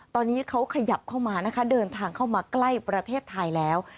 ตอนนี้เขาขยับเข้ามานะคะเดินทางเข้ามาใกล้ประเทศไทยแล้ว